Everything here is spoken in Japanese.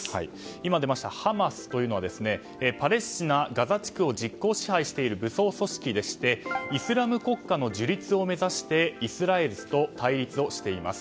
今出ましたハマスというのはパレスチナガザ地区を実効支配しています武装組織でしてイスラム国家の樹立を目指してイスラエルと対立しています。